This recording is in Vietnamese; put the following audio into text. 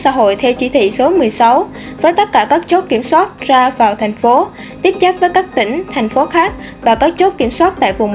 công an tp hà nội giao sở hội theo chỉ thị số một mươi sáu với tất cả các chốt kiểm soát ra vào thành phố tiếp chấp với các tỉnh thành phố khác và các chốt kiểm soát tại vùng một